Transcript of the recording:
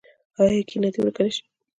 آیا کینه دې ورک نشي؟